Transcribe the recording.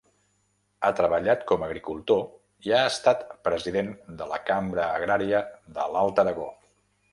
Ha treballat com agricultor i ha estat president de la Cambra Agrària de l'Alt Aragó.